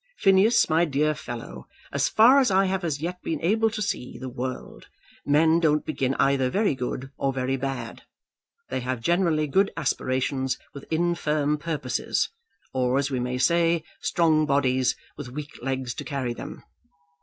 Phineas, my dear fellow, as far as I have as yet been able to see the world, men don't begin either very good or very bad. They have generally good aspirations with infirm purposes; or, as we may say, strong bodies with weak legs to carry them.